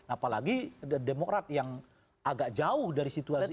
apalagi demokrat yang agak jauh dari situasi ini